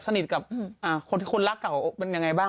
เพื่อนอะไรนะคุณแม่ถามถึงคนเก่าเอ๊ะไม่พูดอีกมั้งเอาไม่ได้ใช่มั้ย